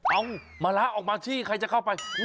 เอามะละออกมาที่ใครจะเข้าไป